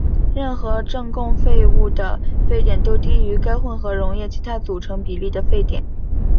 任何正共沸物的沸点都低于该混合溶液其他组成比例的沸点。